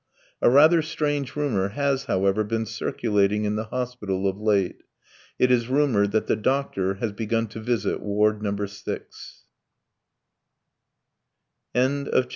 A rather strange rumour has, however, been circulating in the hospital of late. It is rumoured that the doctor has begun to visit Ward No. 6. V A strange rumour!